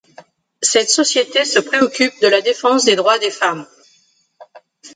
Cette société se préoccupe de la défense des droits des femmes.